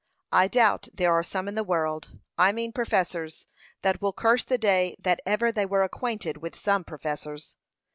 I doubt there are some in the world, I mean professors, that will curse the day that ever they were acquainted with some professors.